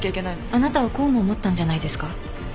あなたはこうも思ったんじゃないですか？